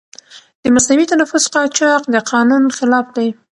د مصنوعي تنفس قاچاق د قانون خلاف دی.